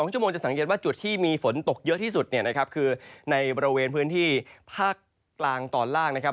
๒ชั่วโมงจะสังเกตว่าจุดที่มีฝนตกเยอะที่สุดเนี่ยนะครับคือในบริเวณพื้นที่ภาคกลางตอนล่างนะครับ